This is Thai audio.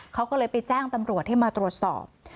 เขาก็เลยไปแจ้งตำรวจให้มาตรวจสอบ